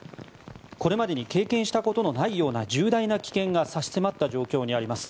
これまでに経験したことのないような重大な危険が差し迫った状況にあります。